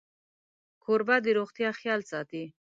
کوربه د روغتیا خیال ساتي.